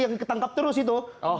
yang ditangkap terus itu